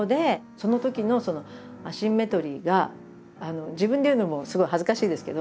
そのときのそのアシンメトリーが自分で言うのもすごい恥ずかしいですけど。